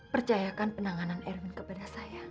percayakan penanganan erwin kepada saya